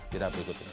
di daftar berikut ini